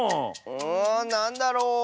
うんなんだろう？